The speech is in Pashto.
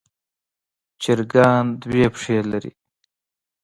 چرګان دوه پښې لري.